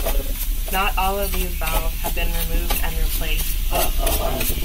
Not all of these valves have been removed and replaced.